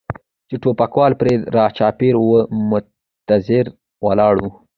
چې ټوپکوال پرې را چاپېر و منتظر ولاړ و.